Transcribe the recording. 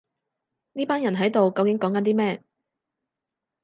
呢班人喺度究竟講緊啲咩